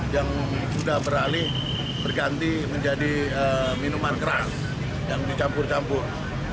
yang sudah beralih berganti menjadi minuman keras yang dicampur campur